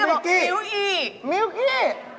เมื่อกี้เราบอกมิลอี้